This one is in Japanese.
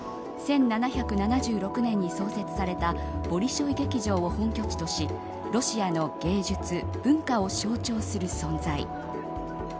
１７７６年に創設されたボリショイ劇場を本拠地としロシアの芸術、文化を象徴する存在。